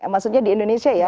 maksudnya di indonesia ya